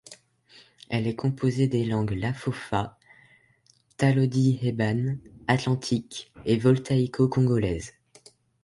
Elle est composée des langues lafofa, talodi-heiban, atlantiques et voltaïco-congolaises.